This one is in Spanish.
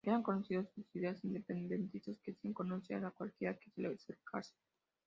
Eran conocidos sus ideales independentistas, que hacía conocer a cualquiera que se le acercase.